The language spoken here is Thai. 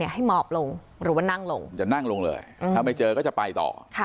ให้หมอบลงหรือว่านั่งลงจะนั่งลงเลยถ้าไม่เจอก็จะไปต่อ